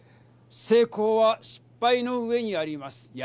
成功は失敗の上にあります。